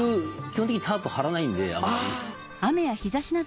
基本的にタープ張らないんであんまり。